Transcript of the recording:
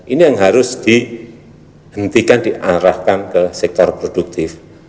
ini yang harus dihentikan diarahkan ke sektor produktif